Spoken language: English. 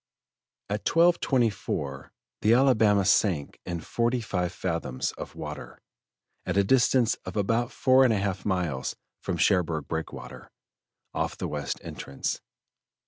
At 12.24 the Alabama sank in forty five fathoms of water, at a distance of about four and a half miles from Cherbourg Breakwater, off the west entrance.